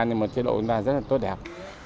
nhưng mà chế độ của chúng ta rất là tốt đẹp